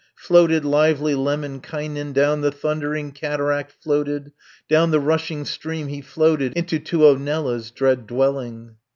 440 Floated lively Lemminkainen, Down the thundering cataract floated, Down the rushing stream he floated, Unto Tuonela's dread dwelling.